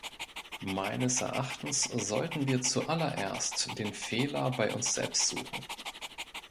Meines Erachtens sollten wir zuallererst den Fehler bei uns selbst suchen.